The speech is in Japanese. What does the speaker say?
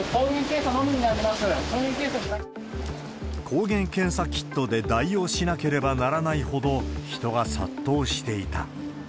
抗原検査キットで代用しなければならないほど、人が殺到していた。